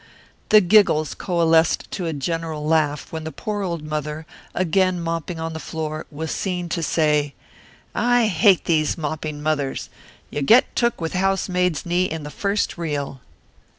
The giggles coalesced to a general laugh when the poor old mother, again mopping on the floor, was seen to say, "I hate these mopping mothers. You get took with house maid's knee in the first reel."